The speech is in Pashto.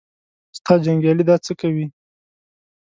ستا جنګیالي دا څه کوي.